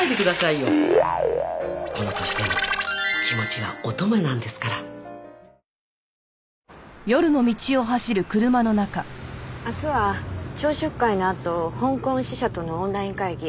よこの年でも気持ちは乙女なんですから明日は朝食会のあと香港支社とのオンライン会議。